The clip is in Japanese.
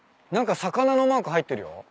何か魚のマーク入ってるよ。